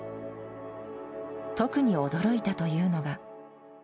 特に驚いたというのが。